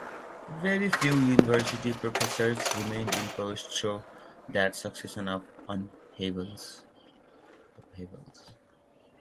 Very few university professors remained in post through that succession of upheavals.